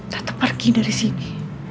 tetep pergi dari sini